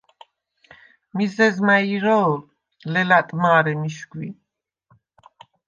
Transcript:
მიზეზ მა̈ჲ ირო̄ლ, ლელა̈ტ მა̄რე მიშგვი!